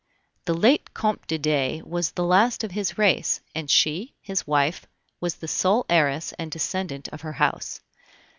The late Comte de Dey was the last of his race, and she, his wife, was the sole heiress and descendant of her house.